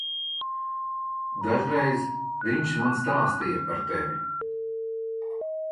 Dažreiz viņš man stāstīja par tevi.